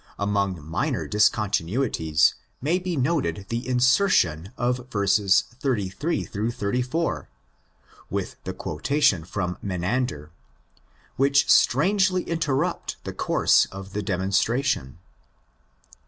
Among minor discontinuities may be noted the insertion of verses 838 84 (with the quotation from Menander), which strangely interrupt the course of the demonstration.